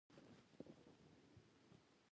زه نن د لوبې ننداره کوم